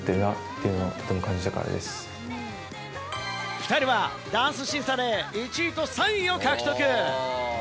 ２人はダンス審査で１位と３位を獲得。